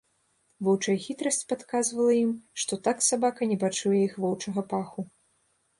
Воўчая хітрасць падказвала ім, што так сабака не пачуе іх воўчага паху.